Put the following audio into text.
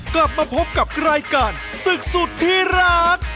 กลับมาพบกับรายการศึกสุดที่รัก